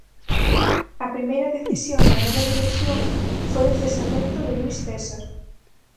A primeira decisión da nova dirección foi o cesamento de Luís César.